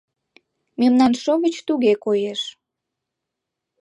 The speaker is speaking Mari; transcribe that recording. Мемнан шовыч туге коеш.